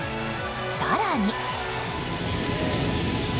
更に。